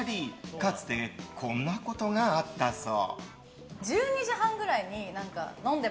かつて、こんなことがあったそう。